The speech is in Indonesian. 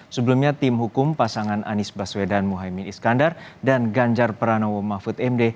sebelumnya tim hukum pasangan anies baswedan mohaimin iskandar dan ganjar pranowo mahfud md